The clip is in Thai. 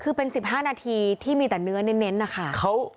คือเป็น๑๕นาทีที่มีแต่เนื้อเน้นนะคะ